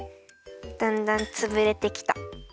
だんだんつぶれてきた。